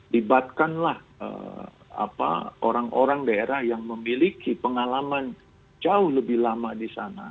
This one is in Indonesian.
dibatkanlah orang orang daerah yang memiliki pengalaman jauh lebih lama di sana